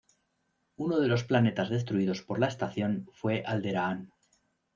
Uno de los planetas destruidos por la estación fue Alderaan.